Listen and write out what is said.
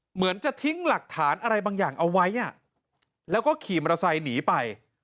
เหมือนจะทิ้งหลักฐานอะไรบางอย่างเอาไว้แล้วก็ขี่มอเตอร์ไซค์หนีไป